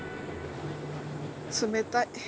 冷たい。